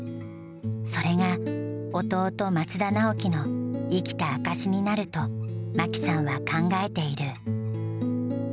それが弟・松田直樹の生きた証しになると真紀さんは考えている。